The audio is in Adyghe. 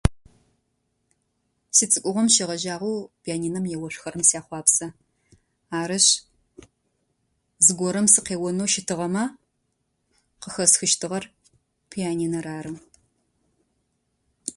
Сицӏыкӏугъом щегъэжьагъэу пианинэм еошъухэрэм сяхъуапсэ. Арышъ зыгорэм сыкъеонэу щытыгъэмэ къыхэсхыщтыгъэр пианинэр ары.